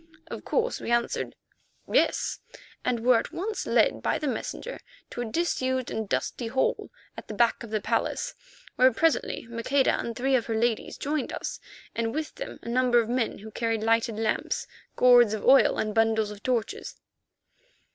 Of course we answered "Yes," and were at once led by the messenger to a disused and dusty hall at the back of the palace, where presently Maqueda and three of her ladies joined us, and with them a number of men who carried lighted lamps, gourds of oil, and bundles of torches.